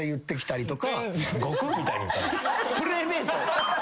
「プレェベート」